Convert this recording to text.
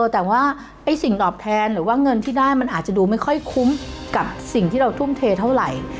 แต่ว่าสิ่งตอบแทนหรือว่าเงินที่ได้มันอาจจะดูไม่ค่อยคุ้มกับสิ่งที่เราทุ่มเทเท่าไหร่